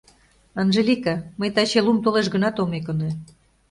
Анжелика, мый таче лум толеш гынат, ом ӧкынӧ.